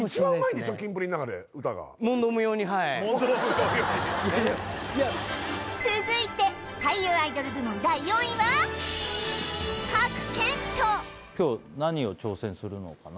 キンプリの中で歌が続いて俳優アイドル部門第４位は今日何を挑戦するのかな？